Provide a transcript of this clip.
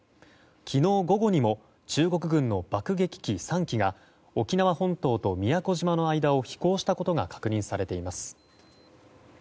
昨日午後にも中国軍の爆撃機３機が沖縄本島と宮古島の間を飛行したことが確認されています。